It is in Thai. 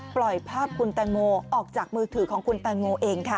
ปล่อยภาพคุณแตงโมออกจากมือถือของคุณแตงโมเองค่ะ